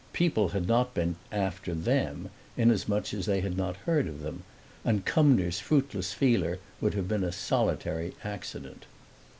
People had not been after them, inasmuch as they had not heard of them; and Cumnor's fruitless feeler would have been a solitary accident.